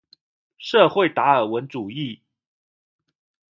社會達爾文主義